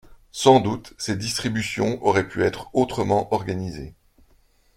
Sans doute, ces distributions auraient pu être autrement organisées.